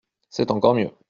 C'est encore mieux.